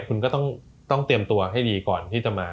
คุณก็ต้องเตรียมตัวให้ดีก่อนที่จะมา